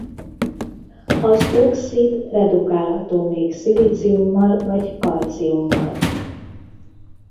Az oxid redukálható még szilíciummal vagy kalciummal.